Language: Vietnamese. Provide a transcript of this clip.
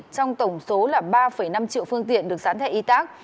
trong tổng số là ba năm triệu phương tiện được rán thẻ y tác